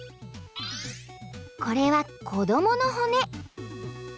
これはこどもの骨。